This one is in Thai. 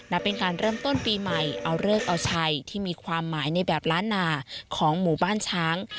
นับเป็นการเริ่มต้นปีใหม่เอาเลิกเอาชัยที่มีความหมายในแบบล้านนาของหมู่บ้านช้าง